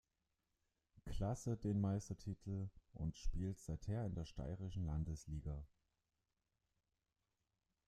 Klasse den Meistertitel und spielt seither in der steirischen Landesliga.